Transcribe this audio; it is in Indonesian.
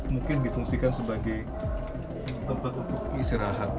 mungkin difungsikan sebagai tempat untuk istirahat